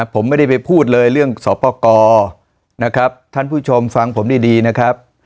ผมไม่ได้ไปพูดเลยเรื่องสอบประกอบนะครับท่านผู้ชมฟังผมดีนะครับ